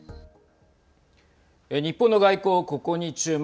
日本の外交ここに注目。